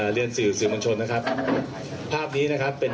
เดี๋ยวกับ